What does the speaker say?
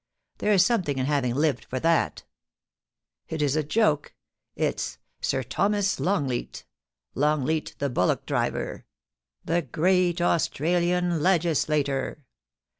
There's something in having lived for that It is a joke ; it's ... Sir Thomas Longleat — Longleat the bullock driver — the — the great Australian legislator.